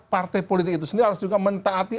partai politik itu sendiri harus juga mentaati